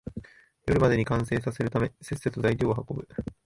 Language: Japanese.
夜までに完成させるため、せっせと材料を運ぶ